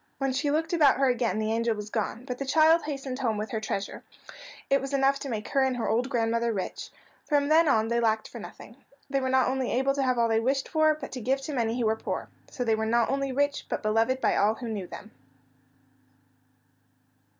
When she looked about her again the angel was gone, but the child hastened home with her treasure. It was enough to make her and her old grandmother rich. From then on they lacked for nothing. They were not only able to have all they wished for, but to give to many who were poor. So they were not only rich, but beloved by all who knew them.